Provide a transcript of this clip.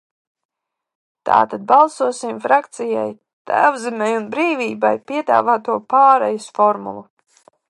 "Tātad balsosim frakcijas "Tēvzemei un brīvībai" piedāvāto pārejas formulu."